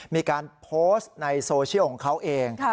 มีการโพสต์ในโซเชียลของเขาเอง